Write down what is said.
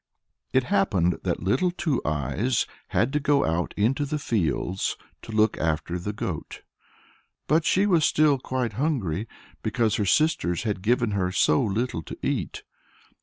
It happened that Little Two Eyes had to go out into the fields to look after the goat; but she was still quite hungry, because her sisters had given her so little to eat.